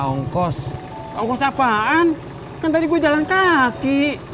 ongkos ongkos apaan kan tadi gue jalan kaki